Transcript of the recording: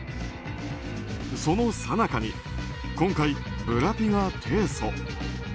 そのさなかに今回、ブラピが提訴。